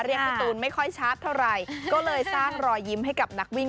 พี่ตูนไม่ค่อยชัดเท่าไหร่ก็เลยสร้างรอยยิ้มให้กับนักวิ่ง